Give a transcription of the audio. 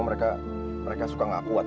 mereka suka nggak kuat